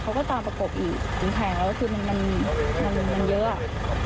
เขาก็ตามประกบอีกถึงแข่งแล้วมันเยอะ